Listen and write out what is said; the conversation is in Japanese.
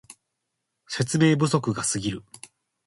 説明不足がすぎる